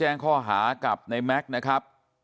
แต่เราก็ไม่คิดว่าเขาจะกล้าทำเหมือนท่องเราอันนี้